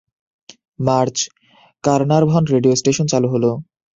March: Carnarvon radio station চালু হল।